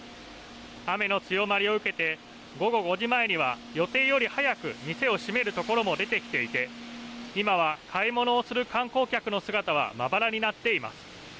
雨の強まりを受けて午後５時前には予定より早く店を閉めるところも出てきていて今は買い物をする観光客の姿はまばらになっています。